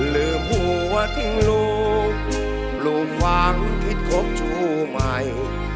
ลืมหัวทิ้งหลุดหลุดฟังผิดครบชู้ใหม่